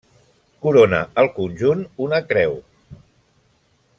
Corona el conjunt una creu.